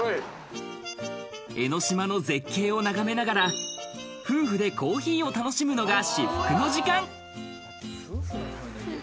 江の島の絶景を眺めながら夫婦でコーヒーを楽しむのが至福の時間。